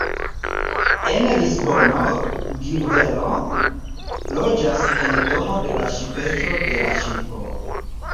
En Lisbono Gulivero loĝas en domo de la ŝipestro de la ŝipo.